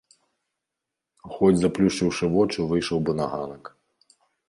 Хоць заплюшчыўшы вочы выйшаў бы на ганак.